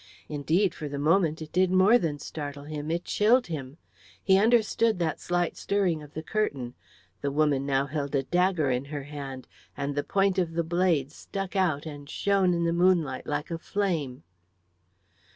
Indeed, for the moment it did more than startle him, it chilled him. He understood that slight stirring of the curtain. The woman now held a dagger in her hand, and the point of the blade stuck out and shone in the moonlight like a flame.